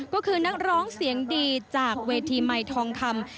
ก็คือนักร้องเสียงดีจากเวทีใหม่ทองคำ